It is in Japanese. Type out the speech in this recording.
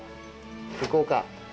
行こうか。